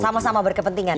sama sama berkepentingan ya